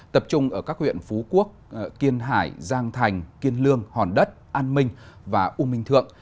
tập trung ở các huyện phú quốc kiên hải giang thành kiên lương hòn đất an minh và u minh thượng